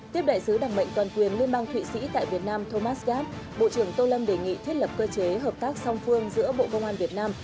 tiếp đại sứ đặc mệnh toàn quyền liên bang thụy sĩ tại việt nam thomas gap bộ trưởng tô lâm đề nghị thiết lập cơ chế hợp tác song phương giữa bộ công an việt nam